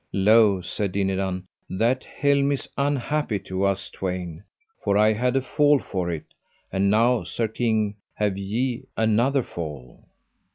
Lo, said Dinadan, that helm is unhappy to us twain, for I had a fall for it, and now, sir king, have ye another fall.